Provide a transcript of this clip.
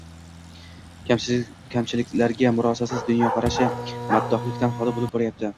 kamchiliklarga murosasiz, dunyoqarashi maddohlikdan xoli bo‘lib boryapti.